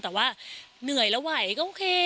แต่ว่าเหนื่อยแล้วไหวก็โอเค